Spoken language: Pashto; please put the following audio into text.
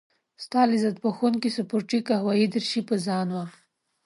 ستا لذت بخښونکې سپورتي قهوه يي دريشي په ځان وه.